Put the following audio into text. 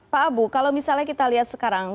pak abu kalau misalnya kita lihat sekarang